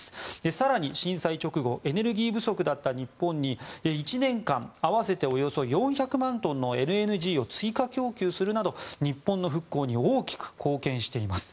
更に、震災直後エネルギー不足だった日本に１年間、合わせておよそ４００万トンのＬＮＧを追加供給するなど日本の復興に大きく貢献しています。